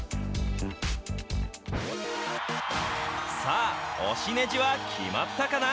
さあ、推しねじは決まったかな？